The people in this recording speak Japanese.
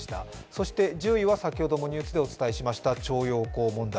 そして１０位は先ほどもニュースでお伝えしました徴用工問題。